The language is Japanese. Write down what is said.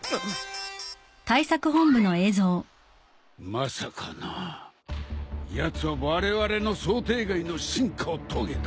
まさかなやつはわれわれの想定外の進化を遂げた。